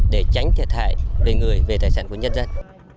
để tránh thiệt hại về người về tài sản của nhân dân